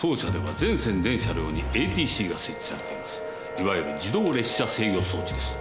いわゆる自動列車制御装置です。